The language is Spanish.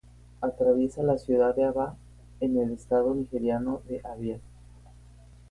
Atraviesa la ciudad de Aba en el estado nigeriano de Abia.